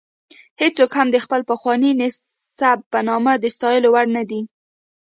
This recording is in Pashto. هېڅوک هم د خپل پخواني نسب په نامه د ستایلو وړ نه دی.